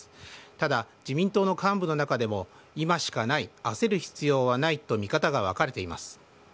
ただ、自民党の幹部の中でも今しかない焦る必要はないと見方が分かれています。